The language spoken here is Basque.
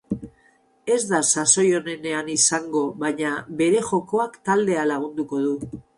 Ez da sasoi onenean izango, baina bere jokoak taldea lagunduko du.